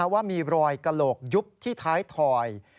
ว่ามีรอยกระโหลกยุบที่ท้ายถอย